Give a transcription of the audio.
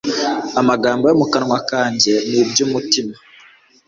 amagambo yo mu kanwa kanjye n ibyo umutima